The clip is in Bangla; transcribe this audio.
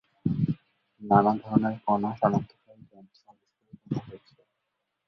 নানা ধরনের কণা শনাক্তকারী যন্ত্র আবিষ্কার করা হয়েছে।